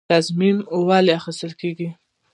تضمین ولې اخیستل کیږي؟